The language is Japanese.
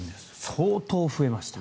相当増えました。